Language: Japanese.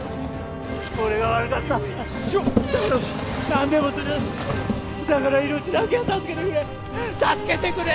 俺が悪かったよいしょ頼む何でもするだから命だけは助けてくれ助けてくれ！